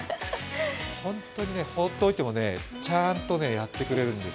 本当にね、放っておいてもちゃーんとやってくれるんです。